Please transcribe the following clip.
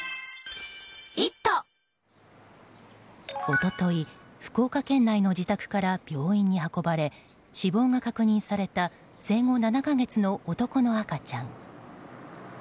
一昨日福岡県内の自宅から病院に運ばれ死亡が確認された生後７か月の男の赤ちゃん。